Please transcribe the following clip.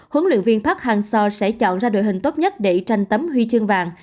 huấn luyện viên park hang seo sẽ chọn ra đội hình tốt nhất để tranh tấm huy chương vàng